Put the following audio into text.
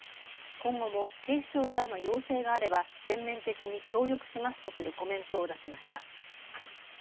今後も警視庁からの要請があれば全面的に協力しますとするコメントを出しました。